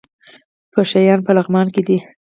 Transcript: پشه یان په لغمان کې دي؟